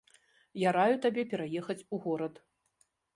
Я раю табе пераехаць у горад.